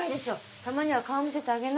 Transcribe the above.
たまには顔見せてあげな？